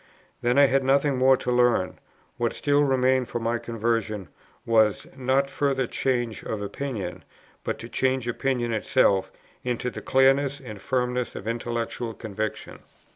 Then, I had nothing more to learn; what still remained for my conversion, was, not further change of opinion, but to change opinion itself into the clearness and firmness of intellectual conviction.